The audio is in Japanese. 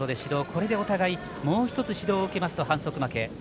これでお互いもう１つ指導を受けますと反則負け。